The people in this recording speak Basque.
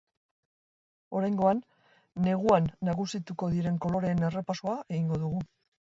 Oraingoan, neguan nagusituko diren koloreen errepasoa egingo dugu.